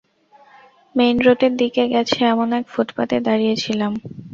মেইনরোডের দিকে গেছে এমন এক ফুটপাতে দাঁড়িয়ে ছিলাম।